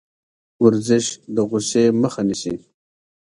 ورزش د غوسې مخه نیسي.